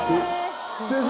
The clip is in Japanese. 先生。